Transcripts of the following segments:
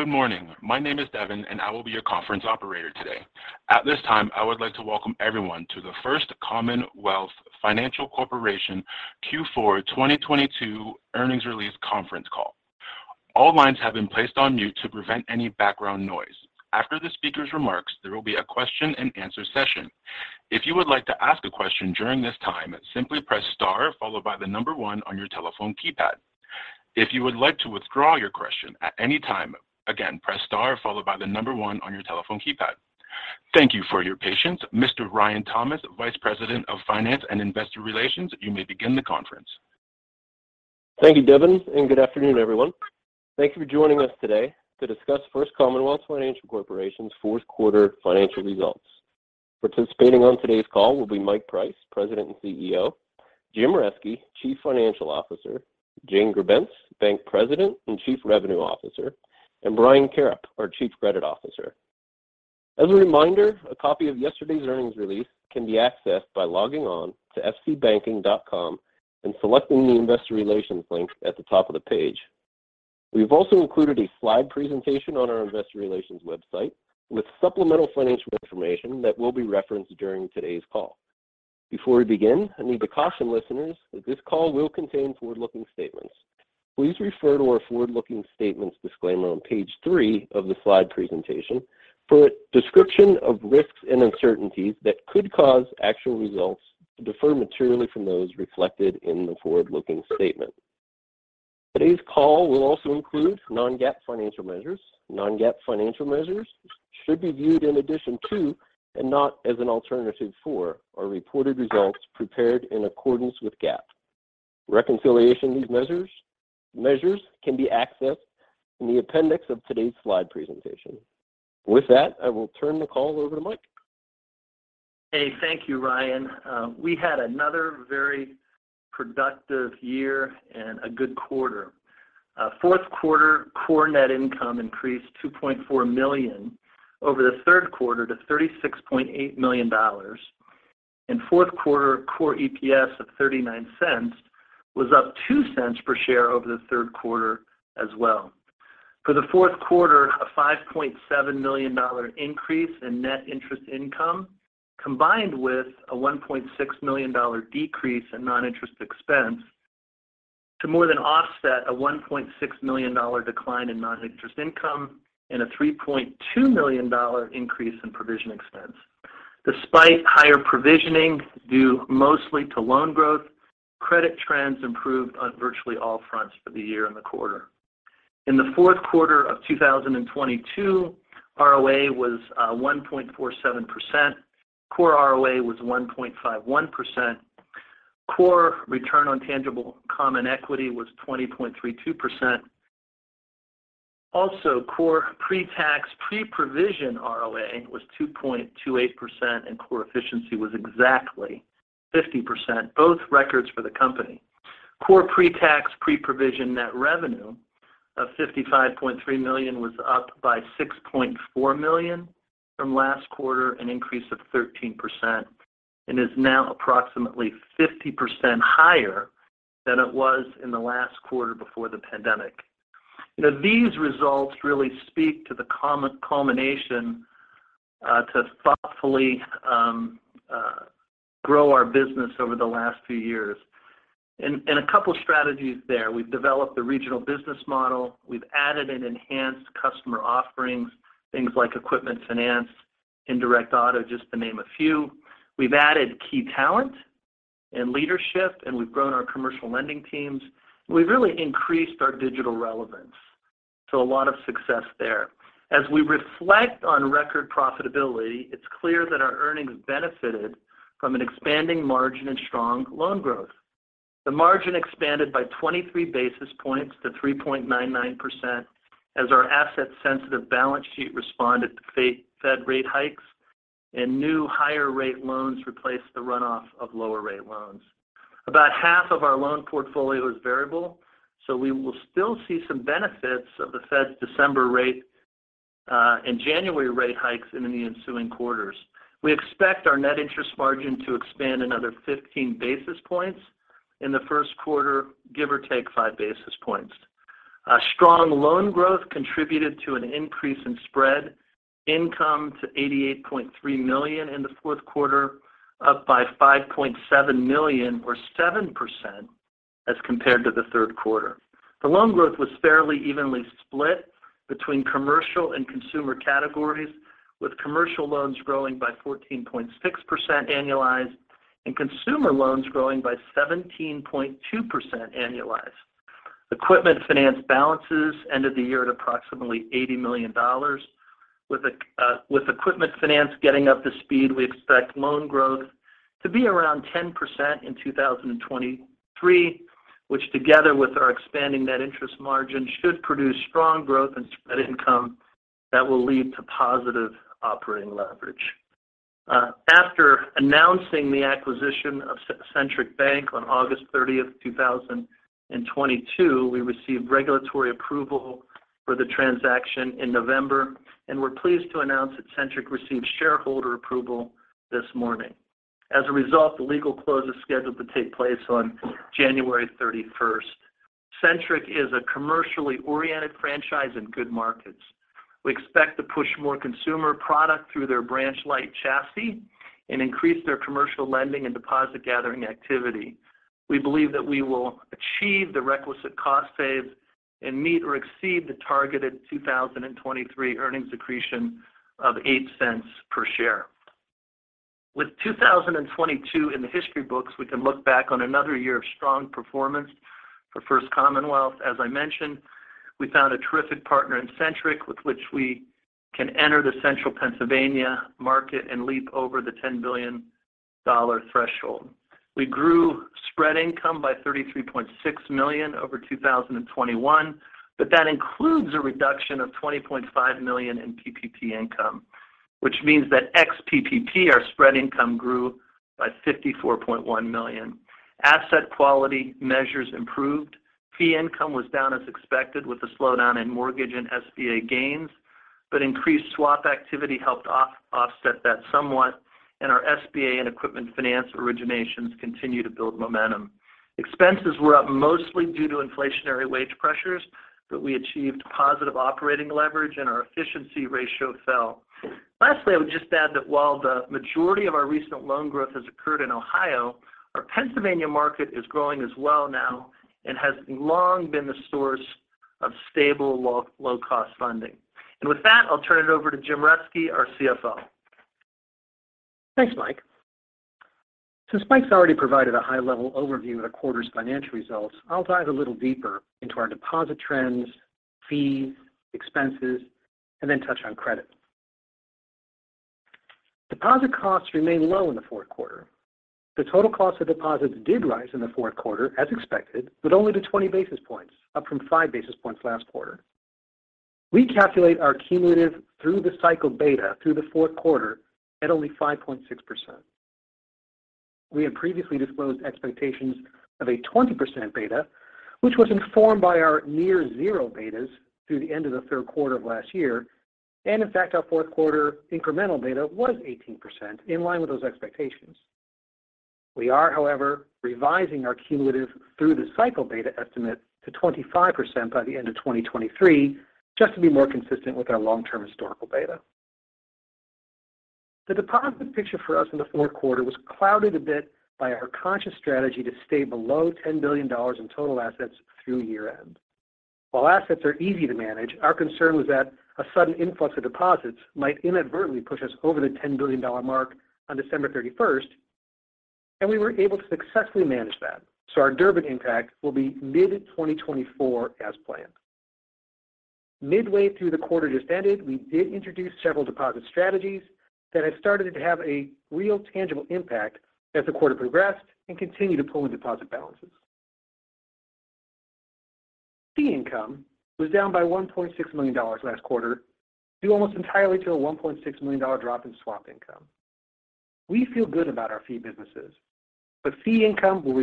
CincinnatiGood morning. My name is Devin, and I will be your conference operator today. At this time, I would like to welcome everyone to the First Commonwealth Financial Corporation Q4 2022 earnings release conference call. All lines have been placed on mute to prevent any background noise. After the speaker's remarks, there will be a question and answer session. If you would like to ask a question during this time, simply press star followed by one on your telephone keypad. If you would like to withdraw your question at any time, again, press star followed by one on your telephone keypad. Thank you for your patience. Mr. Ryan Thomas, Vice President of Finance and Investor Relations, you may begin the conference. Thank you, Devin, good afternoon, everyone. Thank you for joining us today to discuss First Commonwealth Financial Corporation's Q4 financial results. Participating on today's call will be Mike Price, President and CEO; Jim Reske, Chief Financial Officer; Jane Grebenc, Bank President and Chief Revenue Officer; Brian Karrip, our Chief Credit Officer. A reminder, a copy of yesterday's earnings release can be accessed by logging on to fcbanking.com and selecting the Investor Relations link at the top of the page. We've also included a slide presentation on our Investor Relations website with supplemental financial information that will be referenced during today's call. Before we begin, I need to caution listeners that this call will contain forward-looking statements. Please refer to our forward-looking statements disclaimer on page three of the slide presentation for a description of risks and uncertainties that could cause actual results to differ materially from those reflected in the forward-looking statement. Today's call will also include non-GAAP financial measures. Non-GAAP financial measures should be viewed in addition to, and not as an alternative for, our reported results prepared in accordance with GAAP. Reconciliation of these measures can be accessed in the appendix of today's slide presentation. With that, I will turn the call over to Mike. Hey. Thank you, Ryan. We had another very productive year and a good quarter. Q4 core net income increased $2.4 million over the Q3 to $36.8 million. Q4 core EPS of $0.39 was up $0.02 per share over the Q3 as well. For the Q4, a $5.7 million increase in net interest income, combined with a $1.6 million decrease in non-interest expense to more than offset a $1.6 million decline in non-interest income and a $3.2 million increase in provision expense. Despite higher provisioning due mostly to loan growth, credit trends improved on virtually all fronts for the year and the quarter. In the Q4 of 2022, ROA was 1.47%. Core ROA was 1.51%. Core return on tangible common equity was 20.32%. Core pre-tax, pre-provision ROA was 2.28%, and core efficiency was exactly 50%, both records for the company. Core pre-tax, pre-provision net revenue of $55.3 million was up by $6.4 million from last quarter, an increase of 13%, and is now approximately 50% higher than it was in the last quarter before the pandemic. You know, these results really speak to the common combination to thoughtfully grow our business over the last few years. A couple strategies there. We've developed the regional business model. We've added and enhanced customer offerings, things like equipment finance, indirect auto, just to name a few. We've added key talent and leadership, and we've grown our commercial lending teams. We've really increased our digital relevance, so a lot of success there. As we reflect on record profitability, it's clear that our earnings benefited from an expanding margin and strong loan growth. The margin expanded by 23 basis points to 3.99% as our asset-sensitive balance sheet responded to Fed rate hikes and new higher rate loans replaced the runoff of lower rate loans. About half of our loan portfolio is variable, so we will still see some benefits of the Fed's December rate and January rate hikes in the ensuing quarters. We expect our net interest margin to expand another 15 basis points in the Q1, give or take five basis points. A strong loan growth contributed to an increase in spread income to $88.3 million in the Q4, up by $5.7 million or 7% as compared to the Q3. The loan growth was fairly evenly split between commercial and consumer categories, with commercial loans growing by 14.6% annualized and consumer loans growing by 17.2% annualized. Equipment finance balances ended the year at approximately $80 million. With equipment finance getting up to speed, we expect loan growth to be around 10% in 2023, which together with our expanding net interest margin, should produce strong growth and spread income that will lead to positive operating leverage. After announcing the acquisition of Centric Bank on August 30, 2022, we received regulatory approval for the transaction in November, and we're pleased to announce that Centric received shareholder approval this morning. The legal close is scheduled to take place on 31st January. Centric is a commercially oriented franchise in good markets. We expect to push more consumer product through their branch light chassis and increase their commercial lending and deposit gathering activity. We believe that we will achieve the requisite cost saves and meet or exceed the targeted 2023 earnings accretion of $0.08 per share. With 2022 in the history books, we can look back on another year of strong performance for First Commonwealth. As I mentioned, we found a terrific partner in Centric with which we can enter the central Pennsylvania market and leap over the $10 billion threshold. We grew spread income by $33.6 million over 2021, that includes a reduction of $20.5 million in PPP income, which means that ex-PPP, our spread income grew by $54.1 million. Asset quality measures improved. Fee income was down as expected with the slowdown in mortgage and SBA gains, but increased swap activity helped offset that somewhat, and our SBA and equipment finance originations continue to build momentum. Expenses were up mostly due to inflationary wage pressures, but we achieved positive operating leverage and our efficiency ratio fell. Lastly, I would just add that while the majority of our recent loan growth has occurred in Ohio, our Pennsylvania market is growing as well now and has long been the source of stable low cost funding. With that, I'll turn it over to Jim Reske, our CFO. Thanks, Mike. Since Mike's already provided a high-level overview of the quarter's financial results, I'll dive a little deeper into our deposit trends, fees, expenses, and then touch on credit. Deposit costs remained low in the Q4. The total cost of deposits did rise in the Q4, as expected, but only to 20 basis points, up from five basis points last quarter. We calculate our cumulative through-the-cycle beta through the Q4 at only 5.6%. We had previously disclosed expectations of a 20% beta, which was informed by our near zero betas through the end of the Q3 of last year. In fact, our Q4 incremental beta was 18% in line with those expectations. We are, however, revising our cumulative through the cycle beta estimate to 25% by the end of 2023 just to be more consistent with our long-term historical beta. The deposit picture for us in the Q4 was clouded a bit by our conscious strategy to stay below $10 billion in total assets through year-end. While assets are easy to manage, our concern was that a sudden influx of deposits might inadvertently push us over the $10 billion mark on 31st December, and we were able to successfully manage that. Our Durbin impact will be mid-2024 as planned. Midway through the quarter just ended, we did introduce several deposit strategies that have started to have a real tangible impact as the quarter progressed and continue to pull in deposit balances. Fee income was down by $1.6 million last quarter, due almost entirely to a $1.6 million drop in swap income. We feel good about our fee businesses. Fee income will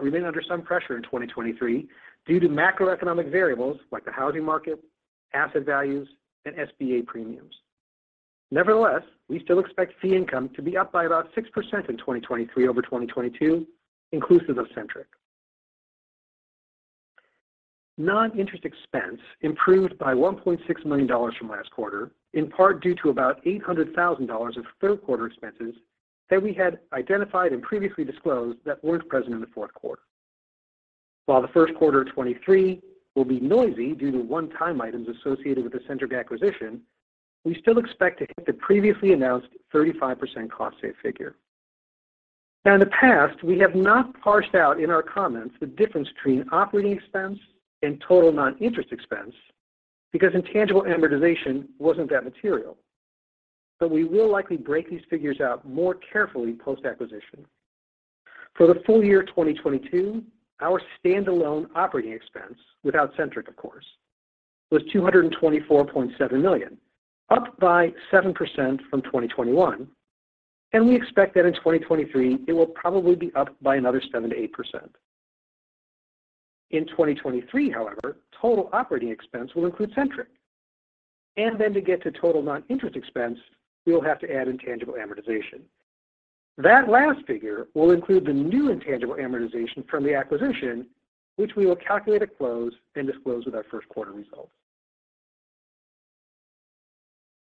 remain under some pressure in 2023 due to macroeconomic variables like the housing market, asset values, and SBA premiums. We still expect fee income to be up by about 6% in 2023 over 2022, inclusive of Centric. Non-interest expense improved by $1.6 million from last quarter, in part due to about $800,000 of Q3 expenses that we had identified and previously disclosed that weren't present in the Q4. While the Q1 of 2023 will be noisy due to one-time items associated with the Centric acquisition, we still expect to hit the previously announced 35% cost save figure. In the past, we have not parsed out in our comments the difference between operating expense and total non-interest expense because intangible amortization wasn't that material. We will likely break these figures out more carefully post-acquisition. For the full year 2022, our standalone operating expense, without Centric of course, was $224.7 million, up by 7% from 2021. We expect that in 2023 it will probably be up by another 7% to 8%. In 2023, however, total operating expense will include Centric. To get to total non-interest expense, we will have to add intangible amortization. That last figure will include the new intangible amortization from the acquisition, which we will calculate at close and disclose with our Q1 results.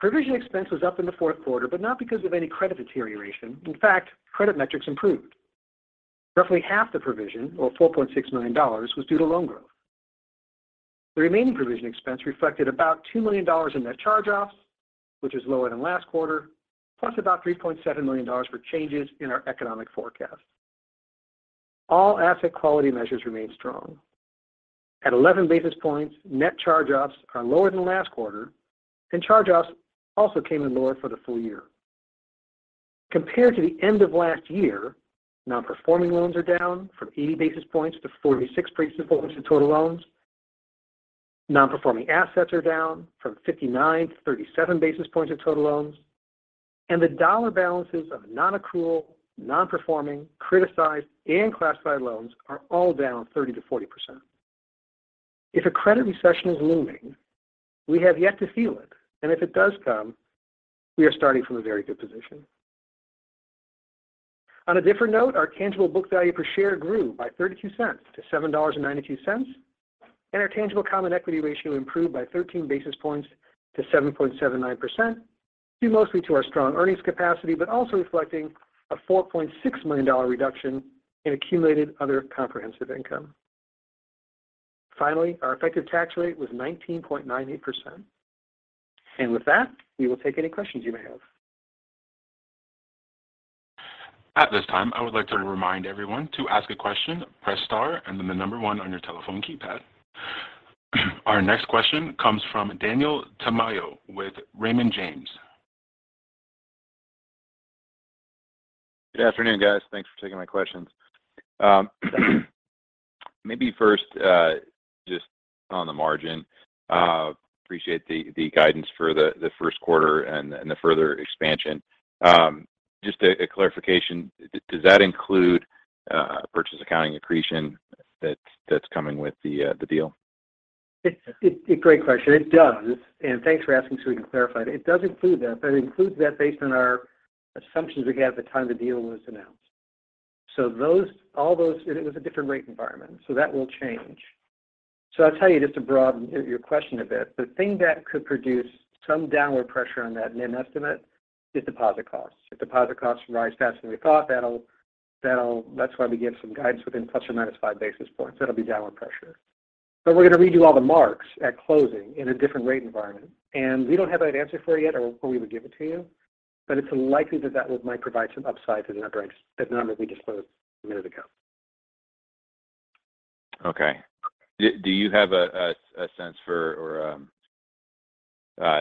Provision expense was up in the Q4, not because of any credit deterioration. In fact, credit metrics improved. Roughly half the provision, or $4.6 million, was due to loan growth. The remaining provision expense reflected about $2 million in net charge-offs, which is lower than last quarter, plus about $3.7 million for changes in our economic forecast. All asset quality measures remain strong. At 11 basis points, net charge-offs are lower than last quarter, charge-offs also came in lower for the full year. Compared to the end of last year, non-performing loans are down from 80 basis points to 46 basis points of total loans. Non-performing assets are down from 59 basis points to 37 basis points of total loans. The dollar balances of non-accrual, non-performing, criticized, and classified loans are all down 30% to 40%. If a credit recession is looming, we have yet to feel it. If it does come, we are starting from a very good position. On a different note, our tangible book value per share grew by $0.32 to $7.92, and our tangible common equity ratio improved by 13 basis points to 7.79%, due mostly to our strong earnings capacity, but also reflecting a $4.6 million reduction in accumulated other comprehensive income. Finally, our effective tax rate was 19.98%. With that, we will take any questions you may have. At this time, I would like to remind everyone, to ask a question, press star and then the number one on your telephone keypad. Our next question comes from Daniel Tamayo with Raymond James. Good afternoon, guys. Thanks for taking my questions. Maybe first, just on the margin, appreciate the guidance for the Q1 and the further expansion. Just a clarification. Does that include purchase accounting accretion that's coming with the deal? Great question. It does. Thanks for asking so we can clarify. It does include that, but it includes that based on our assumptions we had at the time the deal was announced. All those. It was a different rate environment, so that will change. I'll tell you just to broaden your question a bit, the thing that could produce some downward pressure on that NIM estimate is deposit costs. If deposit costs rise faster than we thought, that's why we give some guidance within ±5 basis points. That'll be downward pressure. We're going to redo all the marks at closing in a different rate environment. We don't have that answer for you yet or we would give it to you. It's likely that that might provide some upside to the number we disclosed a minute ago. Okay. Do you have a sense for or,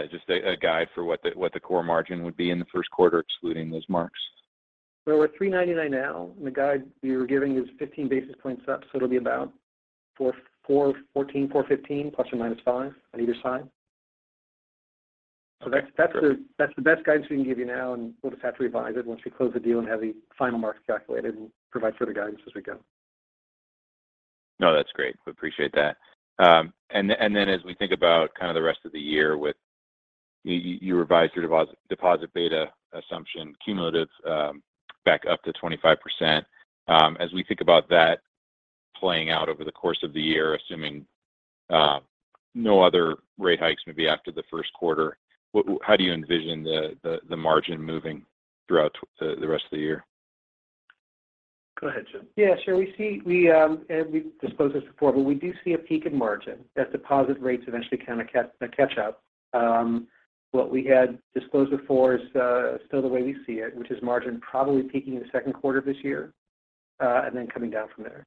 just a guide for what the core margin would be in the Q1, excluding those marks? Well, we're 399 now, the guide we were giving is 15 basis points up, it'll be about four, 14, 415 ±5 on either side. That's the best guidance we can give you now, we'll just have to revise it once we close the deal and have the final marks calculated and provide further guidance as we go. No, that's great. We appreciate that. As we think about kind of the rest of the year with you revised your deposit beta assumption cumulative, back up to 25%. As we think about that playing out over the course of the year, assuming no other rate hikes maybe after the Q1, how do you envision the margin moving throughout the rest of the year? Go ahead, Jim. Yeah, sure. We've disclosed this before, but we do see a peak in margin as deposit rates eventually kind of catch up. What we had disclosed before is still the way we see it, which is margin probably peaking in the Q2 of this year, coming down from there.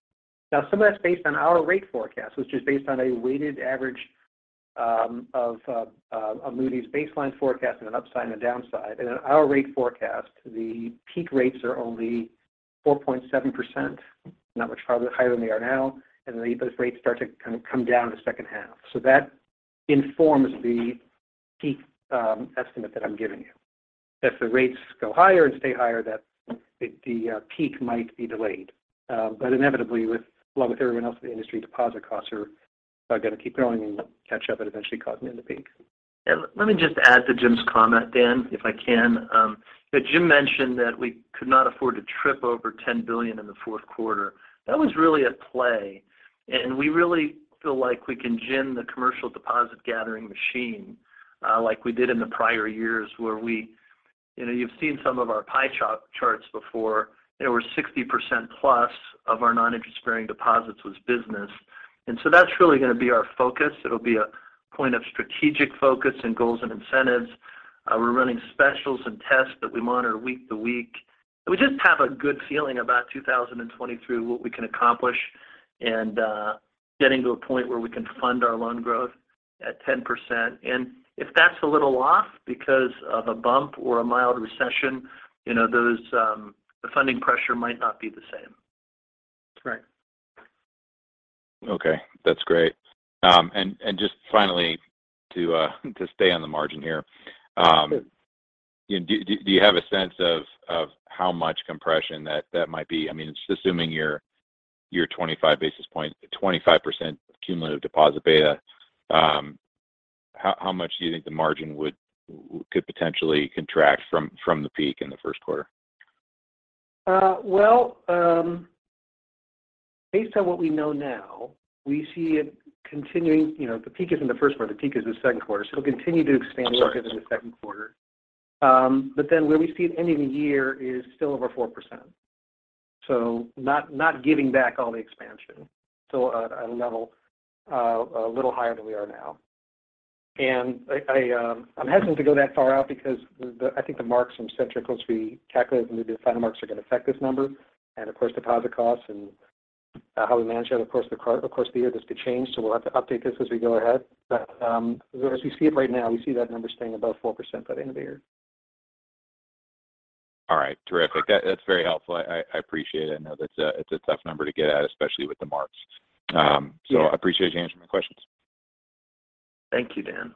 Some of that's based on our rate forecast, which is based on a weighted average of a Moody's baseline forecast and an upside and a downside. In our rate forecast, the peak rates are only 4.7%, not much higher than they are now. Those rates start to kind of come down in the second half. That informs the peak estimate that I'm giving you. If the rates go higher and stay higher, that the peak might be delayed. Inevitably, along with everyone else in the industry, deposit costs are going to keep growing and catch up and eventually cause NIM to peak. Let me just add to Jim's comment, Dan, if I can. Jim mentioned that we could not afford to trip over $10 billion in the Q4. That was really a play. We really feel like we can gin the commercial deposit gathering machine, like we did in the prior years where we, you know, you've seen some of our pie charts before. You know, where 60%+ of our non-increasing deposits was business. That's really going to be our focus. It'll be a point of strategic focus and goals and incentives. We're running specials and tests that we monitor week to week. We just have a good feeling about 2023, what we can accomplish, and getting to a point where we can fund our loan growth at 10%. If that's a little off because of a bump or a mild recession, you know, those, the funding pressure might not be the same. That's right. Okay, that's great. Just finally to stay on the margin here. Do you have a sense of how much compression that might be? I mean, just assuming your 25% cumulative deposit beta, how much do you think the margin could potentially contract from the peak in the Q1? Well, based on what we know now, we see it continuing. You know, the peak isn't the Q1, the peak is the Q2. It'll continue to expand a little bit in the Q2. Oh, sorry. Where we see it ending the year is still over 4%. Not giving back all the expansion. A level, a little higher than we are now. I'm hesitant to go that far out because I think the marks from Centric as we calculate and the final marks are going to affect this number. Deposit costs and how we manage that. The year this could change, so we'll have to update this as we go ahead. As we see it right now, we see that number staying above 4% by the end of the year. All right. Terrific. That's very helpful. I appreciate it. I know that's a tough number to get at, especially with the marks. I appreciate you answering my questions. Thank you, Dan.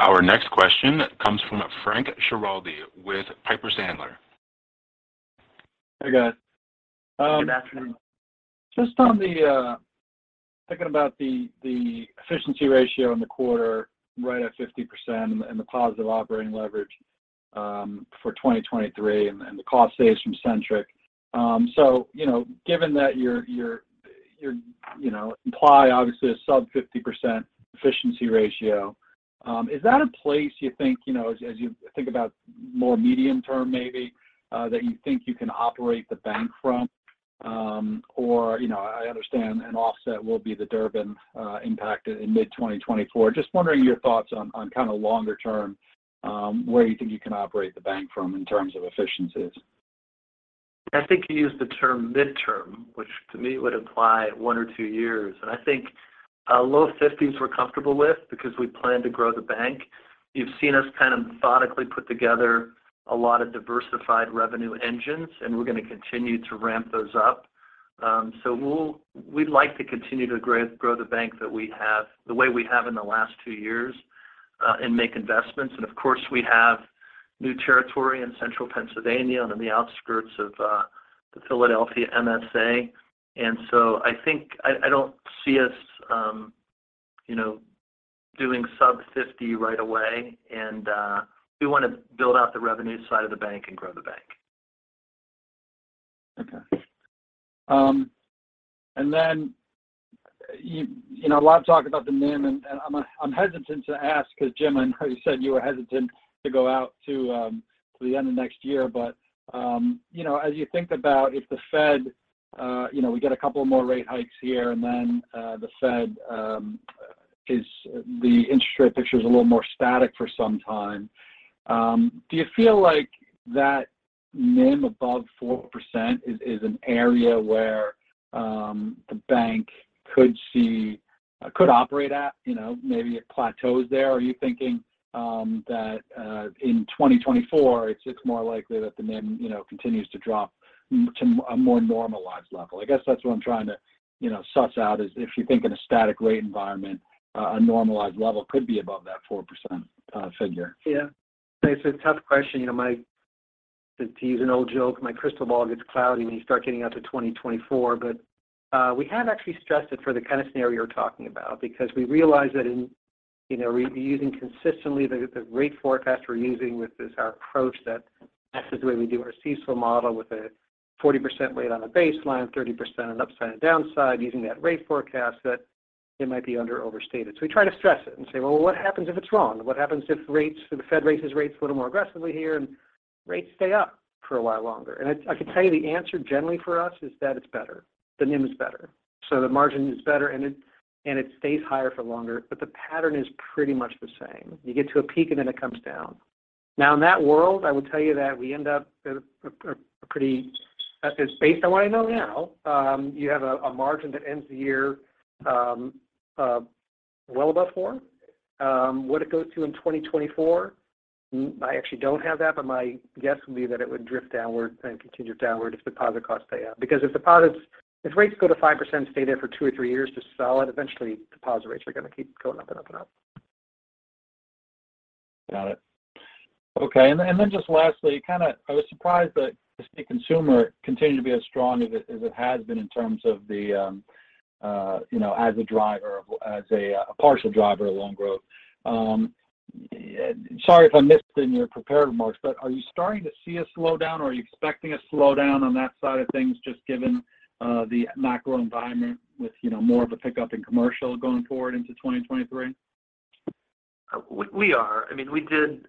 Our next question comes from Frank Schiraldi with Piper Sandler. Hey, guys. Good afternoon. Just on the thinking about the efficiency ratio in the quarter right at 50% and the positive operating leverage for 2023 and the cost saves from Centric. You know, given that your, you know, imply obviously a sub 50% efficiency ratio, is that a place you think, you know, as you think about more medium term maybe, that you think you can operate the bank from? Or you know, I understand an offset will be the Durbin impact in mid-2024. Just wondering your thoughts on kind of longer term, where you think you can operate the bank from in terms of efficiencies. I think you used the term mid-term, which to me would imply one or two years. I think low 50s we're comfortable with because we plan to grow the bank. You've seen us kind of methodically put together a lot of diversified revenue engines, and we're going to continue to ramp those up. We'd like to continue to grow the bank that we have, the way we have in the last two years, and make investments. Of course, we have new territory in central Pennsylvania and in the outskirts of the Philadelphia MSA. I think I don't see us, you know, doing sub 50 right away. We want to build out the revenue side of the bank and grow the bank. Okay. You know, a lot of talk about the NIM, and I'm hesitant to ask because Jim, I know you said you were hesitant to go out to the end of next year. You know, as you think about if the Fed, you know, we get a couple of more rate hikes here, and then, the Fed, is the interest rate picture is a little more static for some time. Do you feel like that NIM above 4% is an area where the bank could operate at? You know, maybe it plateaus there. Are you thinking that in 2024, it's more likely that the NIM, you know, continues to drop to a more normalized level? I guess that's what I'm trying to, you know, such out is if you think in a static rate environment, a normalized level could be above that 4% figure. Yeah. It's a tough question. You know, to use an old joke, my crystal ball gets cloudy when you start getting out to 2024. We have actually stressed it for the kind of scenario you're talking about because we realize that in, you know, using consistently the rate forecast we're using with this, our approach that this is the way we do our CECL model with a 40% weight on the baseline, 30% on upside and downside, using that rate forecast, that it might be under overstated. We try to stress it and say, "Well, what happens if it's wrong? What happens if rates, if the Fed raises rates a little more aggressively here and rates stay up for a while longer?" I can tell you the answer generally for us is that it's better. The NIM is better. The margin is better, and it stays higher for longer. The pattern is pretty much the same. You get to a peak, and then it comes down. In that world, I would tell you that we end up at a pretty at this base I want to know now, you have a margin that ends the year well above 4%. What it goes to in 2024, I actually don't have that, but my guess would be that it would drift downward and continue downward if deposit costs stay up. If rates go to 5% and stay there for two or three years, just solid, eventually deposit rates are going to keep going up and up and up. Got it. Okay. Just lastly, kind of I was surprised that the state consumer continued to be as strong as it has been in terms of the, you know, as a driver, as a partial driver of loan growth. Sorry if I missed in your prepared remarks, are you starting to see a slowdown or are you expecting a slowdown on that side of things just given the macro environment with, you know, more of a pickup in commercial going forward into 2023? We are. I mean, we did,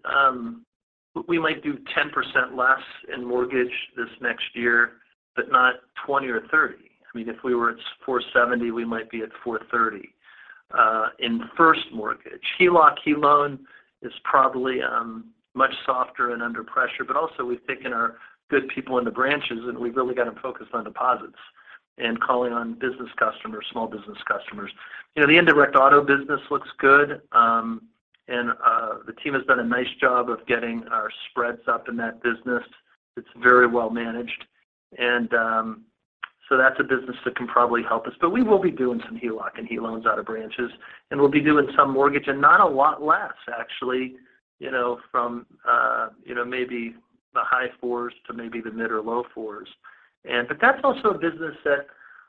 we might do 10% less in mortgage this next year, but not 20 or 30. I mean, if we were at $470, we might be at $430, in first mortgage. HELOC, HELOAN is probably much softer and under pressure. Also we've taken our good people in the branches, and we've really got them focused on deposits and calling on business customers, small business customers. You know, the indirect auto business looks good, and the team has done a nice job of getting our spreads up in that business. It's very well managed. So that's a business that can probably help us. We will be doing some HELOC and HELOANs out of branches, and we'll be doing some mortgage and not a lot less actually, you know, from, you know, maybe the high fours to maybe the mid or low fours. That's also a business that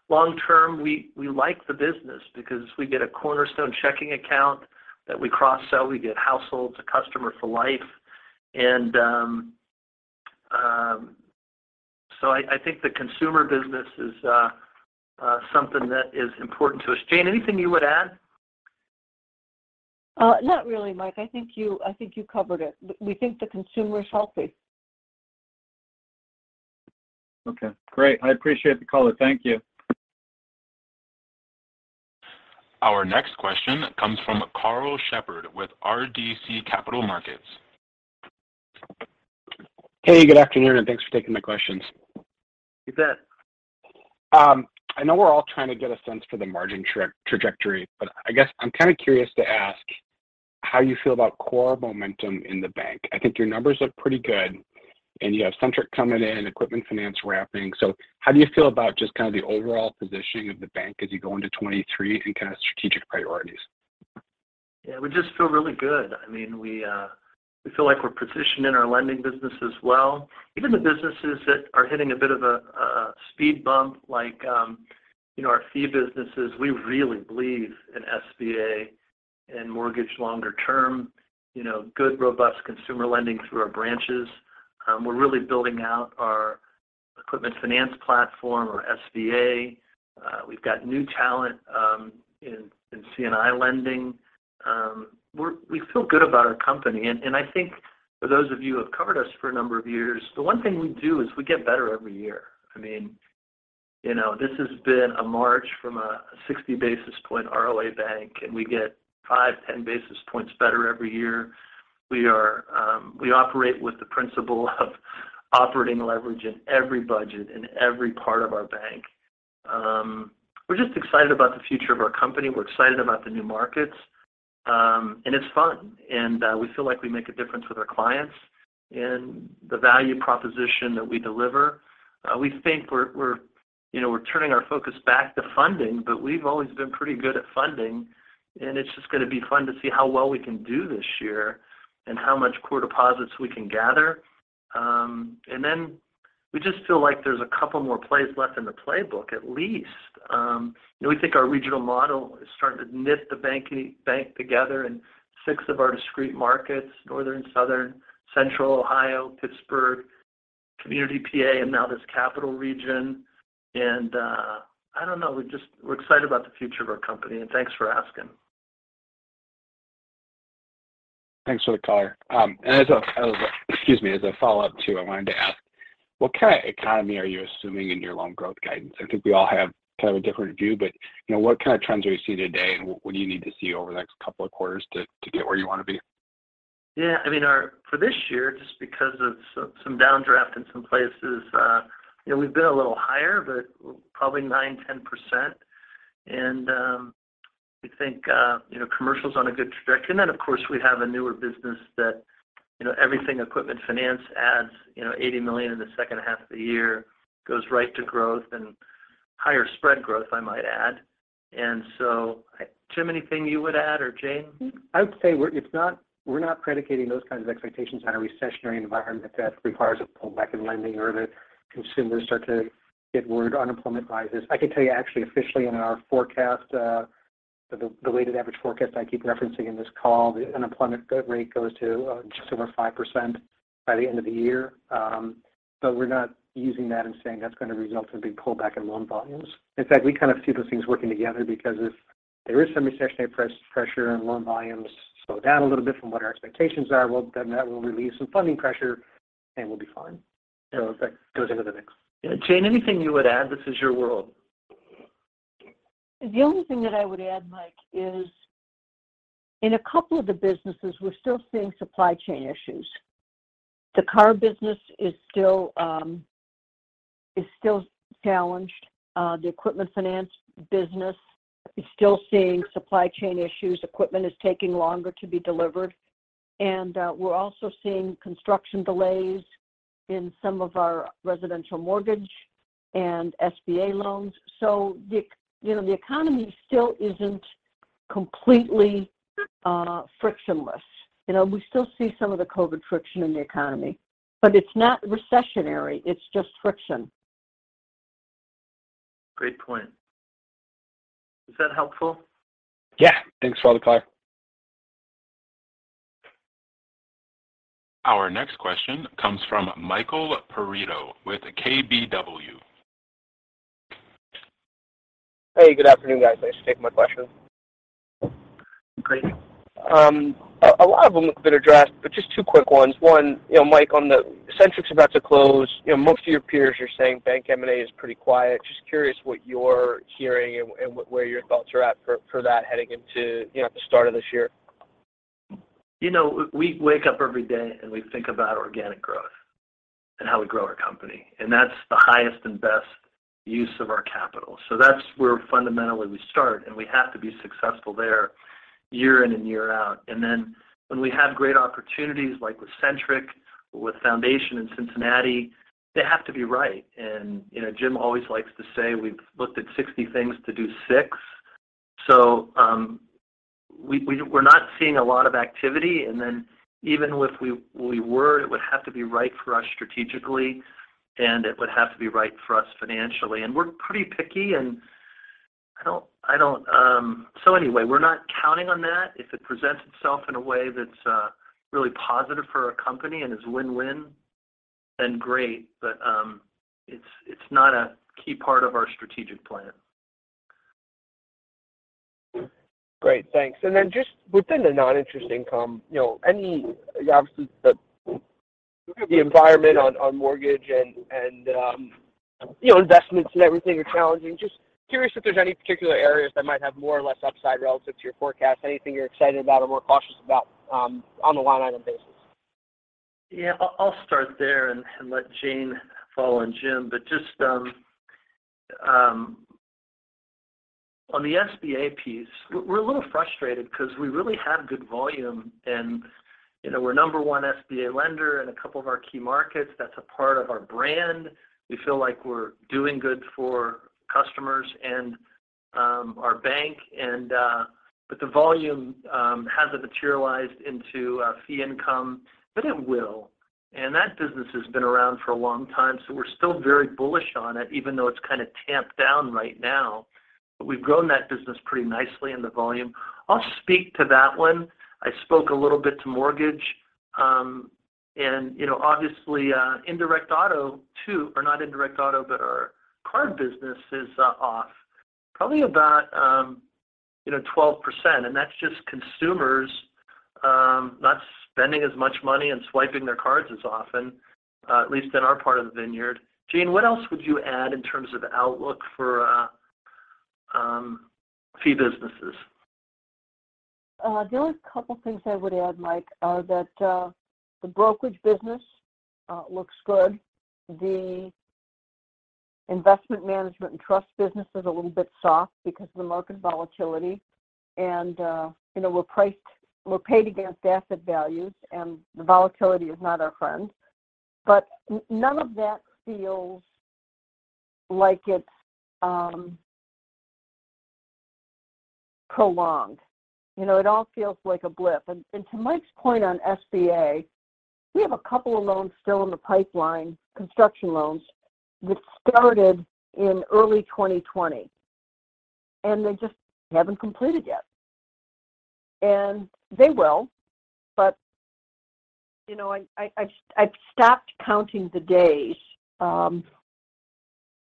long term, we like the business because we get a cornerstone checking account that we cross-sell, we get households, a customer for life. So I think the consumer business is something that is important to us. Jane, anything you would add? Not really, Mike. I think you covered it. We think the consumer is healthy. Okay, great. I appreciate the color. Thank you. Our next question comes from Karl Shepard with RBC Capital Markets. Hey, good afternoon, thanks for taking the questions. You bet. I know we're all trying to get a sense for the margin trajectory, but I guess I'm kind of curious to ask how you feel about core momentum in the bank. I think your numbers look pretty good. You have Centric coming in, equipment finance ramping. How do you feel about just kind of the overall positioning of the bank as you go into 23 and kind of strategic priorities? Yeah. We just feel really good. I mean, we feel like we're positioned in our lending business as well. Even the businesses that are hitting a bit of a speed bump like, you know, our fee businesses. We really believe in SBA and mortgage longer term, you know, good, robust consumer lending through our branches. We're really building out our equipment finance platform or SBA. We've got new talent in C&I lending. We feel good about our company. I think for those of you who have covered us for a number of years, the one thing we do is we get better every year. I mean, you know, this has been a march from a 60 basis point ROA bank, and we get five, 10 basis points better every year. We operate with the principle of operating leverage in every budget in every part of our bank. We're just excited about the future of our company. We're excited about the new markets. It's fun. We feel like we make a difference with our clients and the value proposition that we deliver. We think we're, you know, we're turning our focus back to funding, but we've always been pretty good at funding. It's just gonna be fun to see how well we can do this year and how much core deposits we can gather. Then we just feel like there's a couple more plays left in the playbook at least. You know, we think our regional model is starting to knit the bank together in six of our discrete markets, northern, southern, central Ohio, Pittsburgh, community PA, and now this capital region. I don't know. We're excited about the future of our company. Thanks for asking. Thanks, for the color. Excuse me. As a follow-up too, I wanted to ask, what kind of economy are you assuming in your loan growth guidance? I think we all have kind of a different view. You know, what kind of trends are you seeing today, and what do you need to see over the next couple of quarters to get where you want to be? Yeah. I mean, for this year, just because of some downdraft in some places, you know, we've been a little higher, but probably 9% to 10%. We think, you know, commercial's on a good trajectory. Of course, we have a newer business that, you know, everything equipment finance adds, you know, $80 million in the second half of the year goes right to growth and higher spread growth, I might add. Jim, anything you would add, or Jane? I would say we're not predicating those kinds of expectations on a recessionary environment that requires a pullback in lending or the consumers start to get worried, unemployment rises. I can tell you actually officially in our forecast, the weighted average forecast I keep referencing in this call, the unemployment rate goes to just over 5% by the end of the year. We're not using that and saying that's going to result in a big pullback in loan volumes. In fact, we kind of see those things working together because if there is some recessionary pressure and loan volumes slow down a little bit from what our expectations are, well, then that will relieve some funding pressure, and we'll be fine. That goes into the mix. Yeah. Jane, anything you would add? This is your world. The only thing that I would add, Mike, is in a couple of the businesses, we're still seeing supply chain issues. The car business is still challenged. The equipment finance business is still seeing supply chain issues. Equipment is taking longer to be delivered. We're also seeing construction delays in some of our residential mortgage and SBA loans. You know, the economy still isn't completely frictionless. You know, we still see some of the COVID friction in the economy. It's not recessionary. It's just friction. Great point. Is that helpful? Yeah. Thanks, for the color. Our next question comes from Michael Perito with KBW. Hey. Good afternoon, guys. Thanks for taking my question. Great. A lot of them have been addressed, but just two quick ones. One, you know, Mike, Centric's about to close. You know, most of your peers are saying bank M&A is pretty quiet. Just curious what you're hearing and where your thoughts are at for that heading into, you know, the start of this year. You know, we wake up every day, we think about organic growth and how we grow our company. That's the highest and best use of our capital. That's where fundamentally we start, and we have to be successful there year in and year out. When we have great opportunities like with Centric or with Foundation in Cincinnati, they have to be right. You know, Jim always likes to say we've looked at 60 things to do six. We're not seeing a lot of activity. Even if we were, it would have to be right for us strategically, and it would have to be right for us financially. We're pretty picky, and I don't. Anyway, we're not counting on that. If it presents itself in a way that's really positive for our company and is win-win, then great. It's not a key part of our strategic plan. Great. Thanks. Then just within the non-interest income, you know, obviously the environment on mortgage and, you know, investments and everything are challenging. Just curious if there's any particular areas that might have more or less upside relative to your forecast? Anything you're excited about or more cautious about on the line item basis? Yeah. I'll start there and let Jane follow and Jim. Just on the SBA piece, we're a little frustrated because we really have good volume, and, you know, we're number one SBA lender in a couple of our key markets. That's a part of our brand. We feel like we're doing good for customers and our bank. The volume hasn't materialized into fee income, but it will. That business has been around for a long time, so we're still very bullish on it, even though it's kind of tamped down right now. We've grown that business pretty nicely in the volume. I'll speak to that one. I spoke a little bit to mortgage, and, you know, obviously, not indirect auto, but our card business is off probably about, you know, 12%. That's just consumers not spending as much money and swiping their cards as often, at least in our part of the vineyard. Jane, what else would you add in terms of outlook for fee businesses? The only couple things I would add, Mike, are that the brokerage business looks good. The investment management and trust business is a little bit soft because of the market volatility. You know, we're paid against asset values, and the volatility is not our friend. None of that feels like it's prolonged. You know, it all feels like a blip. To Mike's point on SBA, we have a couple of loans still in the pipeline, construction loans, which started in early 2020, and they just haven't completed yet. They will, but, you know, I've stopped counting the days, and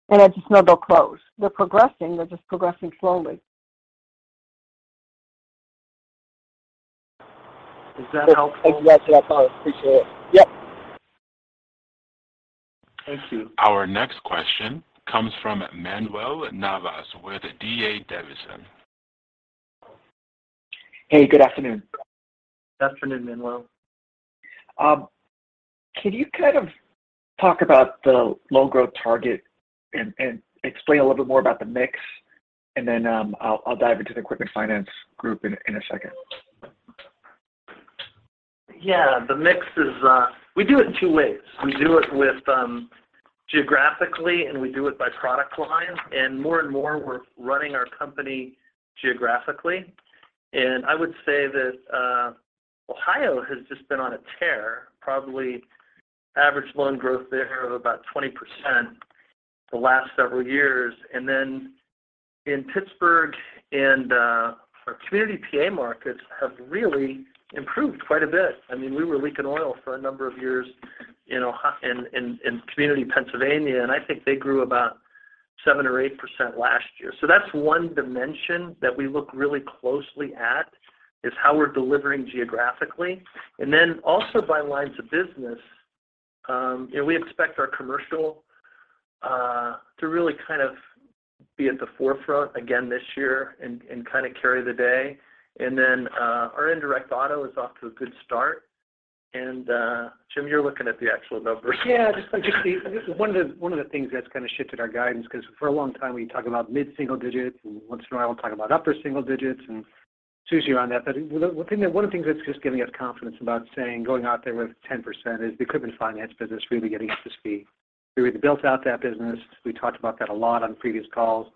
I just know they'll close. They're progressing. They're just progressing slowly. Is that helpful? Thank you, guys. That's all. Appreciate it. Yep. Thank you. Our next question comes from Manuel Navas with D.A. Davidson. Hey, good afternoon. Good afternoon, Manuel. Can you kind of talk about the loan growth target and explain a little bit more about the mix? I'll dive into the Equipment Finance Group in a second. Yeah. The mix is, We do it two ways. We do it with, geographically, and we do it by product line. More and more, we're running our company geographically. I would say that, Ohio has just been on a tear, probably average loan growth there of about 20% the last several years. In Pittsburgh and, our community PA markets have really improved quite a bit. I mean, we were leaking oil for a number of years in community Pennsylvania, and I think they grew about 7% or 8% last year. That's one dimension that we look really closely at, is how we're delivering geographically. Also by lines of business, you know, we expect our commercial to really kind of be at the forefront again this year and kind of carry the day. Our indirect auto is off to a good start. Jim, you're looking at the actual numbers. Yeah. Just like you see, one of the things that's kind of shifted our guidance, because for a long time, we talk about mid-single digits, and once in a while, we talk about upper single digits. CECL around that. One of the things that's just giving us confidence about saying going out there with 10% is the equipment finance business really getting up to speed. We really built out that business. We talked about that a lot on previous calls.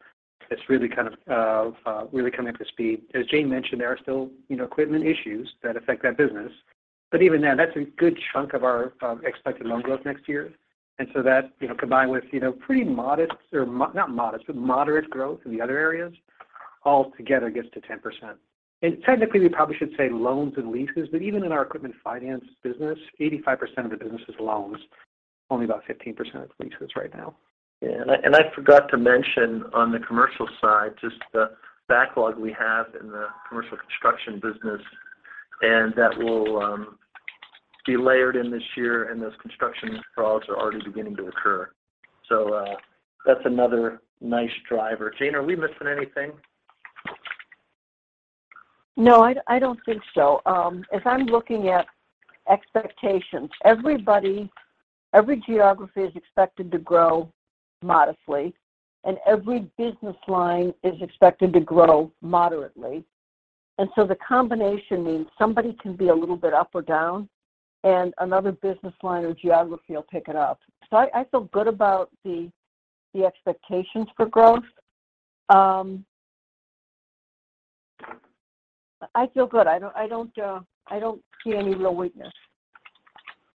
It's really kind of really coming up to speed. As Jane mentioned, there are still, you know, equipment issues that affect that business. Even then, that's a good chunk of our expected loan growth next year. That, you know, combined with, you know, pretty modest or not modest, but moderate growth in the other areas altogether gets to 10%. Technically, we probably should say loans and leases, but even in our equipment finance business, 85% of the business is loans, only about 15% is leases right now. Yeah. I forgot to mention on the commercial side, just the backlog we have in the commercial construction business, and that will be layered in this year, and those construction draws are already beginning to occur. That's another nice driver. Jane, are we missing anything? No, I don't think so. If I'm looking at expectations, everybody, every geography is expected to grow modestly, and every business line is expected to grow moderately. The combination means somebody can be a little bit up or down, and another business line or geography will pick it up. I feel good about the expectations for growth. I feel good. I don't see any real weakness.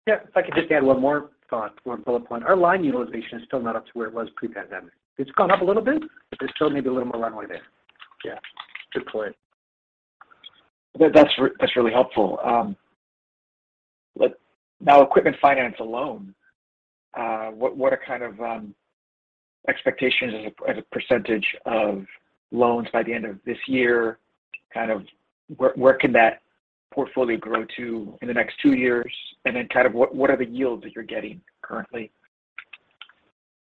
Yeah. If I could just add one more thought, ono bullet point. Our line utilization is still not up to where it was pre-pandemic. It's gone up a little bit, but there's still maybe a little more runway there. Yeah. Good point. That's really helpful. Now equipment finance alone, what are kind of expectations as a percentage of loans by the end of this year? Kind of where can that portfolio grow to in the next two years? Then kind of what are the yields that you're getting currently?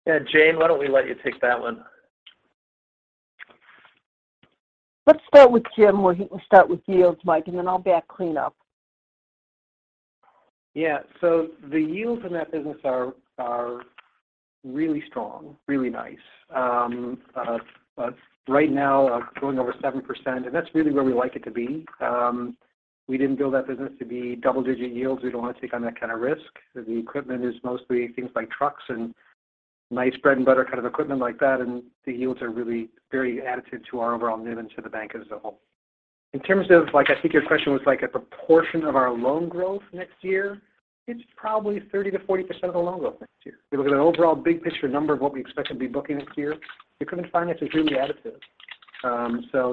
Yeah. Jane, why don't we let you take that one? Let's start with Jim, or he can start with yields, Mike, and then I'll back clean up. The yields in that business are really strong, really nice. Right now, going over 7%, that's really where we like it to be. We didn't build that business to be double-digit yields. We don't want to take on that kind of risk. The equipment is mostly things like trucks and nice bread-and-butter kind of equipment like that, the yields are really very additive to our overall NIM and to the bank as a whole. In terms of, like, I think your question was like a proportion of our loan growth next year. It's probably 30% to 40% of the loan growth next year. If you look at an overall big picture number of what we expect to be booking this year, equipment finance is really additive.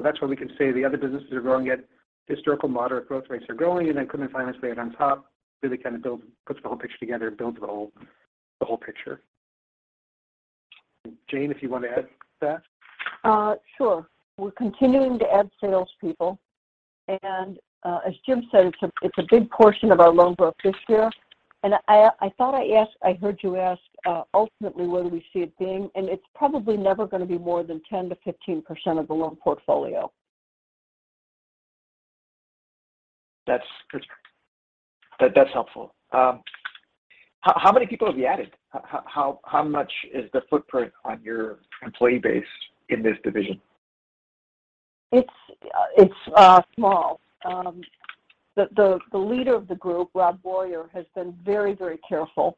That's where we can say the other businesses are growing at historical moderate growth rates are growing and then equipment finance we add on top, really kind of puts the whole picture together, builds the whole picture. Jane, if you want to add to that. Sure. We're continuing to add sale's people. As Jim said, it's a, it's a big portion of our loan growth this year. I heard you ask, ultimately, where do we see it being? It's probably never gonna be more than 10% to 15% of the loan portfolio. That's good. That's helpful. How many people have you added? How much is the footprint on your employee base in this division? It's small. The leader of the group, Rob Boyer, has been very careful.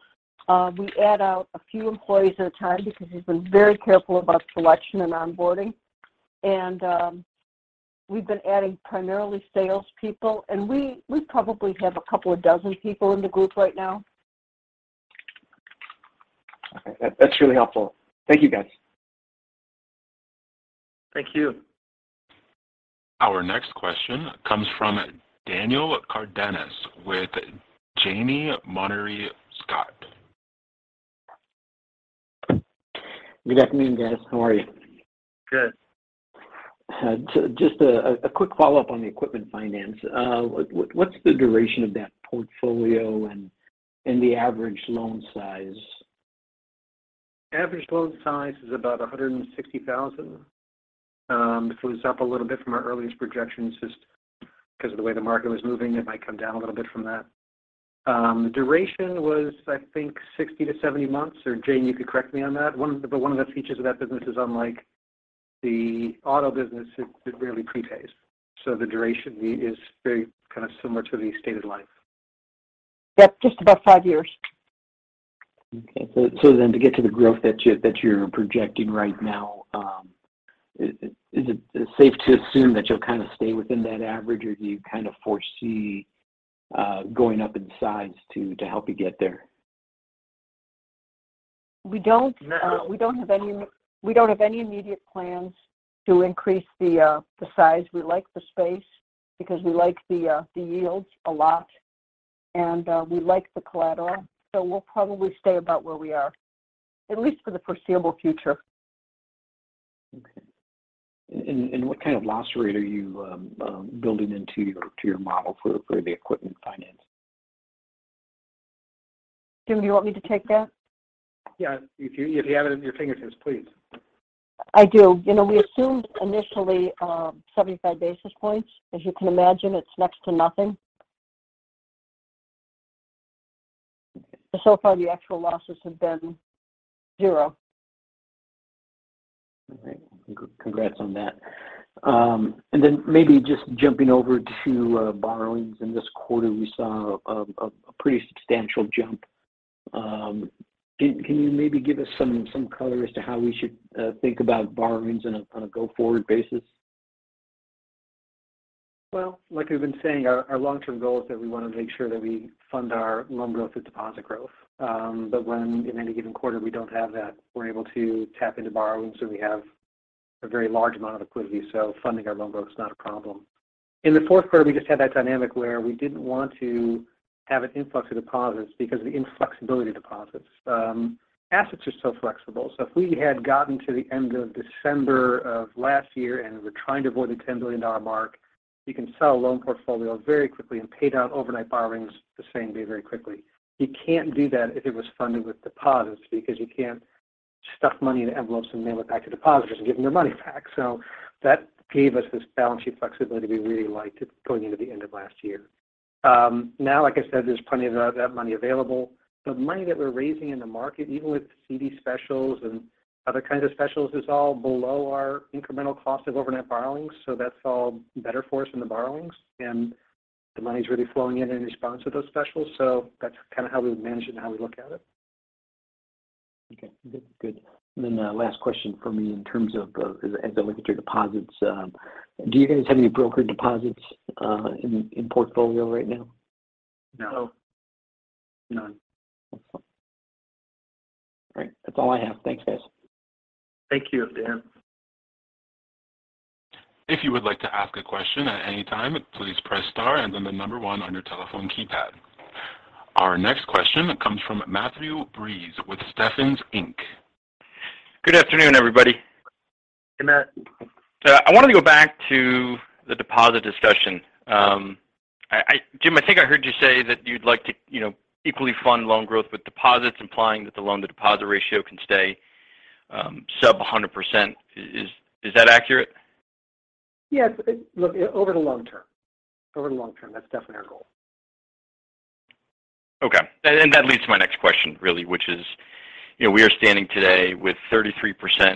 We add out a few employees at a time because he's been very careful about selection and onboarding. We've been adding primarily salespeople. We probably have a couple of dozen people in the group right now. Okay. That's really helpful. Thank you, guys. Thank you. Our next question comes from Daniel Cardenas with Janney Montgomery Scott. Good afternoon, guys. How are you? Good. Just a quick follow-up on the equiment finance. What's the duration of that portfolio and the average loan size? Average loan size is about $160,000. It was up a little bit from our earliest projections just because of the way the market was moving. It might come down a little bit from that. Duration was, I think, 60 to 70 months. Jane, you could correct me on that. One of the features of that business is unlike the auto business, it rarely prepays. The duration is very kind of similar to the stated life. Yep, just about five years. Okay. To get to the growth that you're projecting right now, is it safe to assume that you'll kind of stay within that average, or do you kind of foresee, going up in size to help you get there? We don't. No. We don't have any immediate plans to increase the size. We like the space because we like the yields a lot, and we like the collateral. We'll probably stay about where we are, at least for the foreseeable future. Okay. What kind of loss rate are you building into your model for the equipment finance? Jim, do you want me to take that? Yeah. If you have it at your fingertips, please. I do. You know, we assumed initially, 75 basis points. As you can imagine, it's next to nothing. So far, the actual losses have been zero. All right. Congrats on that. Maybe just jumping over to borrowings. In this quarter, we saw a pretty substantial jump. Can you maybe give us some color as to how we should think about borrowings on a go-forward basis? Well, like we've been saying, our long-term goal is that we wanna make sure that we fund our loan growth through deposit growth. When in any given quarter we don't have that, we're able to tap into borrowings, so we have a very large amount of equity, so funding our loan growth is not a problem. In the Q4, we just had that dynamic where we didn't want to have an influx of deposits because of the inflexibility of deposits. Assets are so flexible. If we had gotten to the end of December of last year and we're trying to avoid the $10 billion mark, you can sell a loan portfolio very quickly and pay down overnight borrowings the same day very quickly. You can't do that if it was funded with deposits because you can't stuff money into envelopes and mail it back to depositors and give them their money back. That gave us this balance sheet flexibility we really liked going into the end of last year. Now like I said, there's plenty of that money available. The money that we're raising in the market, even with CD specials and other kinds of specials, is all below our incremental cost of overnight borrowings, so that's all better for us in the borrowings. The money's really flowing in in response to those specials. That's kind of how we manage it and how we look at it. Okay. Good. Last question for me in terms of, as I look at your deposits, do you guys have any brokered deposits in portfolio right now? No. No. None. Okay. All right. That's all I have. Thanks, guys. Thank you, Dan. If you would like to ask a question at any time, please press star and then the number one on your telephone keypad. Our next question comes from Matthew Breese with Stephens Inc. Good afternoon, everybody. Hey, Matt. I wanted to go back to the deposit discussion. Jim, I think I heard you say that you'd like to, you know, equally fund loan growth with deposits, implying that the loan to deposit ratio can stay, sub 100%. Is that accurate? Yes, look, over the long term. Over the long term, that's definitely our goal. Okay. That leads to my next question really, which is, you know, we are standing today with 33%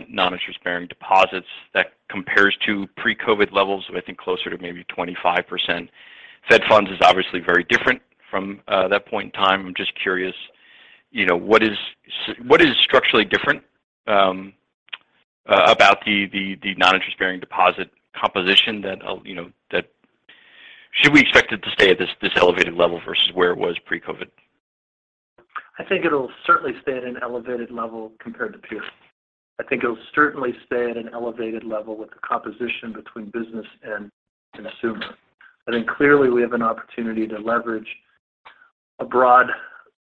non-interest-bearing deposits that compares to pre-COVID levels of I think closer to maybe 25%. Fed funds is obviously very different from that point in time. I'm just curious, you know, what is structurally different about the non-increasing deposit composition that, you know, that should we expect it to stay at this elevated level versus where it was pre-COVID? I think it'll certainly stay at an elevated level compared to peers. I think it'll certainly stay at an elevated level with the composition between business and consumer. I think clearly we have an opportunity to leverage a broad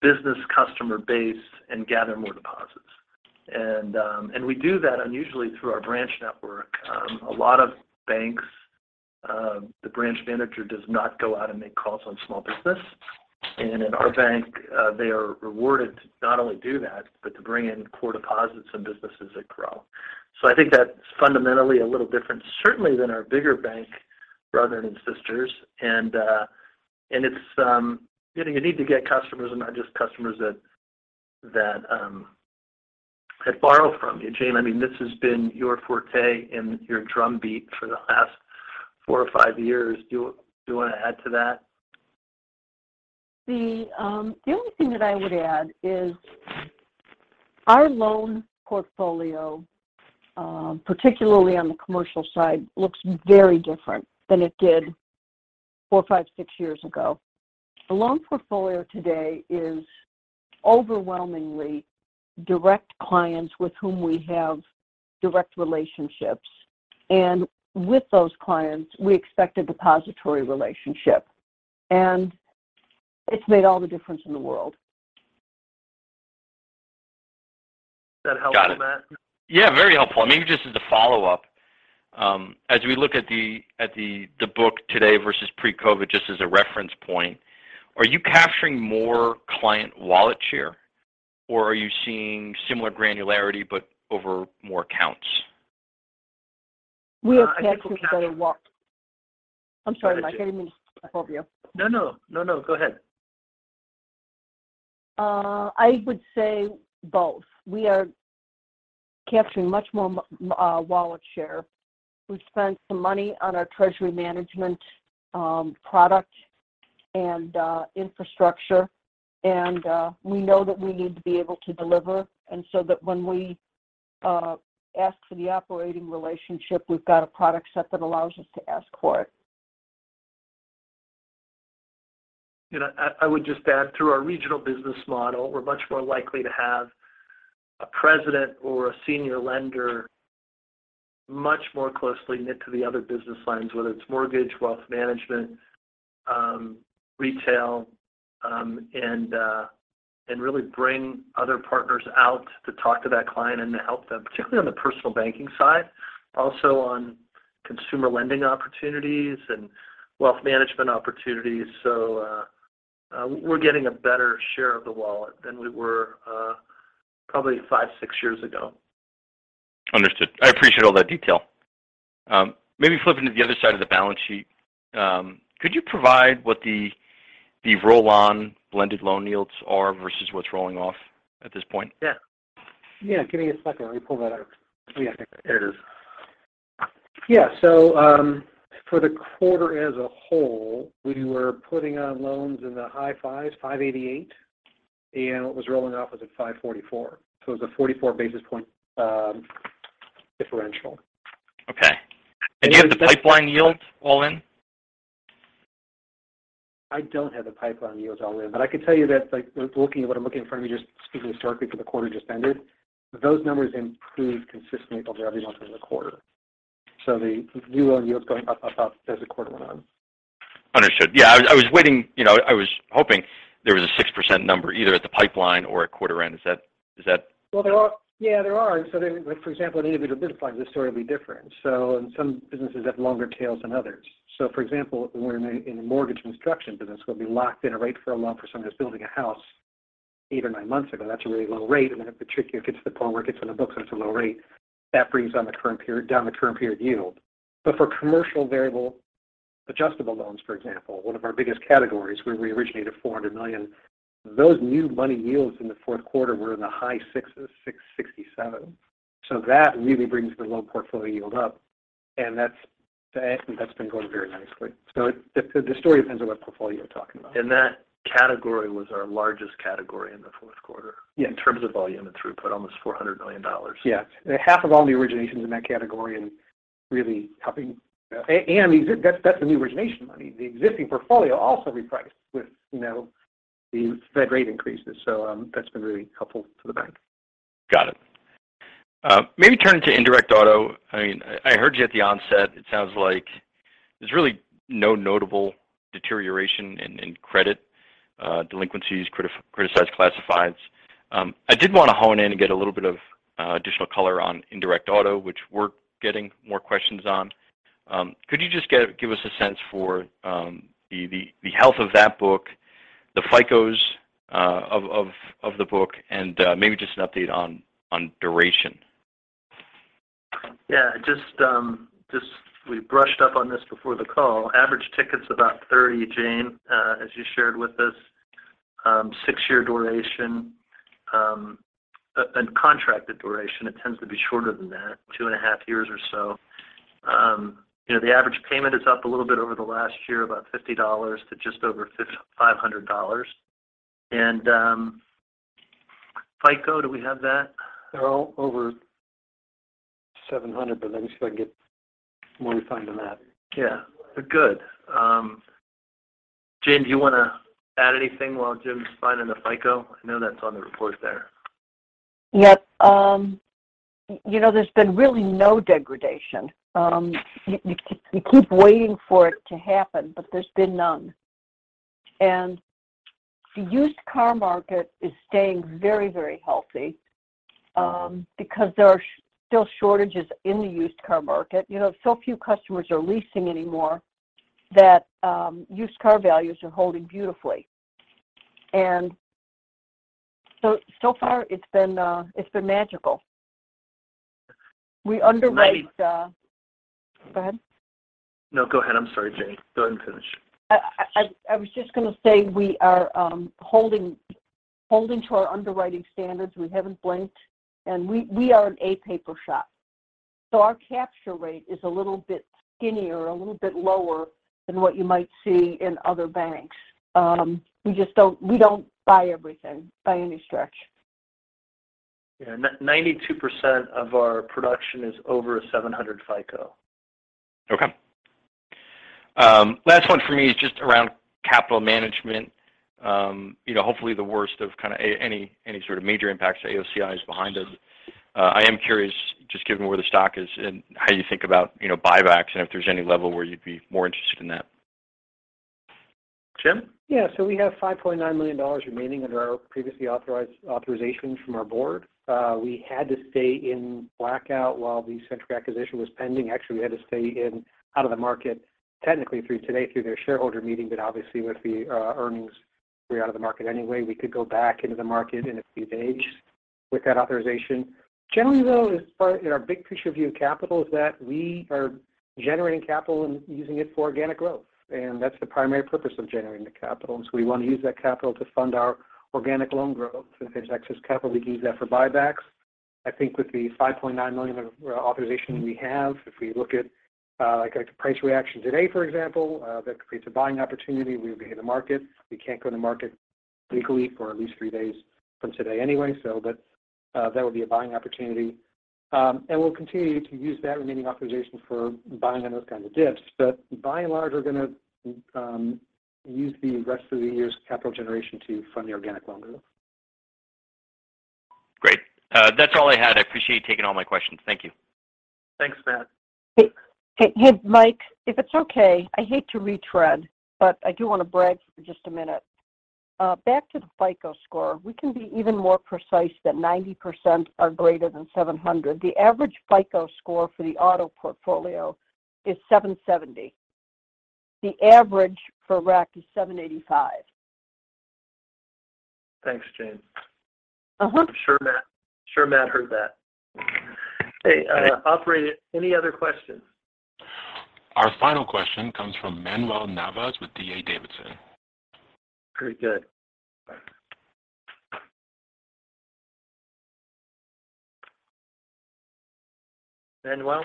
business customer base and gather more deposits. We do that unusually through our branch network. A lot of banks, the branch manager does not go out and make calls on small business. In our bank, they are rewarded to not only do that, but to bring in core deposits and businesses that grow. I think that's fundamentally a little different certainly than our bigger bank brothers and sisters. It's, you know, you need to get customers and not just customers that borrow from you. Jane, I mean, this has been your forte and your drumbeat for the last four or five years. Do you want to add to that? The only thing that I would add is our loan portfolio, particularly on the commercial side, looks very different than it did four, five, six years ago. The loan portfolio today is overwhelmingly direct clients with whom we have direct relationships. With those clients, we expect a depository relationship. It's made all the difference in the world. Is that helpful, Matt? Got it. Yeah, very helpful. Maybe just as a follow-up, as we look at the book today versus pre-COVID, just as a reference point, are you capturing more client wallet share, or are you seeing similar granularity but over more accounts? We are capturing better I'm sorry, Mike. I didn't mean to talk over you. No, no. No, no. Go ahead. I would say both. We are capturing much more wallet share. We've spent some money on our treasury management, product and infrastructure. We know that we need to be able to deliver, so that when we ask for the operating relationship, we've got a product set that allows us to ask for it. You know, I would just add through our regional business model, we're much more likely to have a president or a senior lender much more closely knit to the other business lines, whether it's mortgage, wealth management, retail, and really bring other partners out to talk to that client and to help them, particularly on the personal banking side, also on consumer lending opportunities and wealth management opportunities. We're getting a better share of the wallet than we were, probably five, six years ago. Understood. I appreciate all that detail. Maybe flipping to the other side of the balance sheet, could you provide what the roll-on blended loan yields are versus what's rolling off at this point? Yeah. Yeah. Give me a second. Let me pull that up. There it is. For the quarter as a whole, we were putting on loans in the high fives, 588, and what was rolling off was at 544. It was a 44 basis point differential. Okay. Do you have the pipeline yields all in? I don't have the pipeline yields all in. I can tell you that, like, looking at what I'm looking in front of me, just speaking historically for the quarter just ended, those numbers improved consistently over every month in the quarter. The new loan yields going up, up as the quarter went on. Understood. I was waiting, you know, I was hoping there was a 6% number either at the pipeline or at quarter end. Well, there are. Yeah, there are. Like for example, in individual business lines, they're historically different. And some businesses have longer tails than others. For example, when in a mortgage construction business, we'll be locked in a rate for a loan for someone who's building a house eight or nine months ago. That's a really low rate. Then if it particularly gets to the point where it gets on the books, and it's a low rate, that brings down the current period yield. For commercial variable adjustable loans, for example, one of our biggest categories, where we originated $400 million, those new money yields in the Q4 were in the high 6.67%. That really brings the loan portfolio yield up, and that's been going very nicely. The story depends on what portfolio you're talking about. That category was our largest category in the Q4. Yeah. In terms of volume and throughput, almost $400 million. Yeah. Half of all the originations in that category and really helping. That's the new origination money. The existing portfolio also repriced with, you know, the Fed rate increases. That's been really helpful to the bank. Got it. Maybe turn to indirect auto. I mean, I heard you at the onset. It sounds like there's really no notable deterioration in credit, delinquencies, criticized classifieds. I did want to hone in and get a little bit of additional color on indirect auto, which we're getting more questions on. Could you just give us a sense for the health of that book. The FICOs of the book and maybe just an update on duration. Yeah. We brushed up on this before the call. Average ticket's about $30, Jane, as you shared with us. 6-year duration, and contracted duration, it tends to be shorter than that, two and a half years or so. You know, the average payment is up a little bit over the last year, about $50 to just over $500. FICO, do we have that? They're all over $700, but let me see if I can get more refined than that. Yeah. Good. Jane, do you wanna add anything while Jim's finding the FICO? I know that's on the report there. Yep. you know, there's been really no degradation. you keep waiting for it to happen, but there's been none. The used car market is staying very, very healthy, because there are still shortages in the used car market. You know, so few customers are leasing anymore that, used car values are holding beautifully. So far it's been magical. We underwrite. Mike. No, go ahead. I'm sorry, Jane. Go ahead and finish. I was just gonna say we are holding to our underwriting standards. We haven't blinked. We are an A paper shop. Our capture rate is a little bit skinnier or a little bit lower than what you might see in other banks. We don't buy everything by any stretch. Yeah. 92% of our production is over a 700 FICO. Last one for me is just around capital management. You know, hopefully the worst of kinda any sort of major impacts to AOCI is behind us. I am curious, just given where the stock is and how you think about, you know, buybacks and if there's any level where you'd be more interested in that. Jim? We have $5.9 million remaining under our previously authorized authorization from our Board. We had to stay in blackout while the Centric acquisition was pending. Actually, we had to stay in out of the market technically through today through their shareholder meeting. Obviously, with the earnings, we're out of the market anyway. We could go back into the market in a few days with that authorization. Generally, though, in our big picture view of capital is that we are generating capital and using it for organic growth. That's the primary purpose of generating the capital. We want to use that capital to fund our organic loan growth. If there's excess capital, we can use that for buybacks. I think with the $5.9 million of authorization we have, if we look at, like the price reaction today, for example, that creates a buying opportunity. We would be in the market. We can't go to market legally for at least three days from today anyway. But that would be a buying opportunity. We'll continue to use that remaining authorization for buying on those kinds of dips. By and large, we're gonna use the rest of the year's capital generation to fund the organic loan growth. Great. That's all I had. I appreciate you taking all my questions. Thank you. Thanks, Matt. Hey, hey, Mike, if it's okay, I hate to retread, but I do wanna brag for just a minute. Back to the FICO score. We can be even more precise that 90% are greater than 700. The average FICO score for the auto portfolio is 770. The average for RAC is 785. Thanks, Jane. Uh-huh. I'm sure Matt heard that. Hey, operator, any other questions? Our final question comes from Manuel Navas with D.A. Davidson. Very good. Manuel?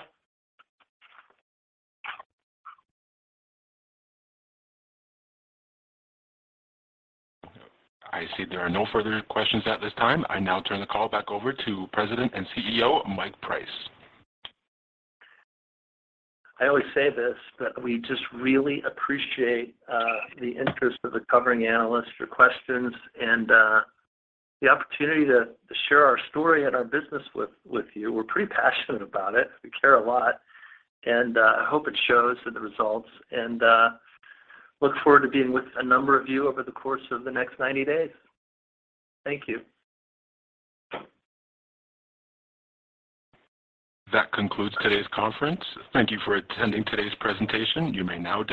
I see there are no further questions at this time. I now turn the call back over to President and CEO, Mike Price. I always say this. We just really appreciate the interest of the covering analysts, your questions, and the opportunity to share our story and our business with you. We're pretty passionate about it. We care a lot. I hope it shows in the results. Look forward to being with a number of you over the course of the next 90 days. Thank you. That concludes today's conference. Thank you for attending today's presentation. You may now.